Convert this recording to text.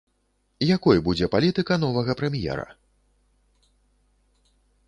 Якой будзе палітыка новага прэм'ера?